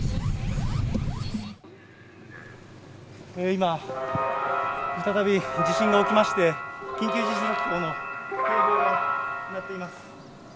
今、再び地震が起きまして、緊急地震速報の警報が鳴っています。